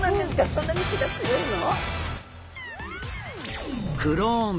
そんなに気が強いの？